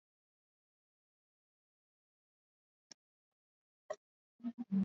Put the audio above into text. ni ojwang agina wakili na mchambuzi wa siasa kutoka nairobi